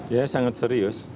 ya sangat serius